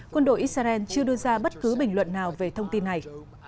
quân đội israel chưa đưa ra bất cứ bình luận nào về thông tin này